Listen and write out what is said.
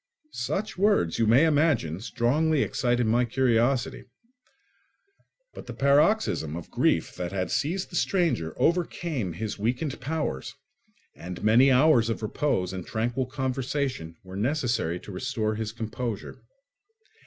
Such words, you may imagine, strongly excited my curiosity; but the paroxysm of grief that had seized the stranger overcame his weakened powers, and many hours of repose and tranquil conversation were necessary to restore his composure.